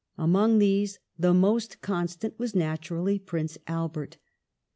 Among these the most constant was naturally Prince Albert.